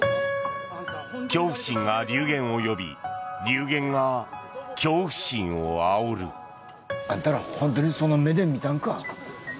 恐怖心が流言を呼び流言が恐怖心をあおる。あんたら本当にその目で見たんか？